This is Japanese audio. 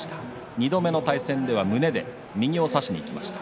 ２度目の対戦では胸で右を差しにいきました。